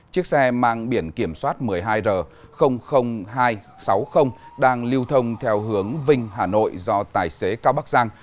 chiếc xe mang biển kiểm soát một mươi hai r hai trăm sáu mươi đang lưu thông theo hướng vinh hà nội do tài xế cao bắc giang